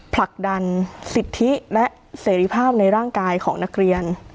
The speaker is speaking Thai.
ผลักดันสิทธิและเสรีภาพในร่างกายของนักเรียน